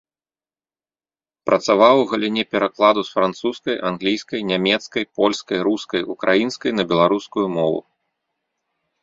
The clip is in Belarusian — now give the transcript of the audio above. Працаваў у галіне перакладу з французскай, англійскай, нямецкай, польскай, рускай, украінскай на беларускую мову.